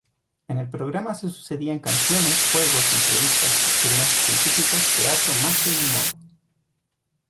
En el programa se sucedían canciones, juegos, entrevistas, experimentos científicos, teatro, magia y humor.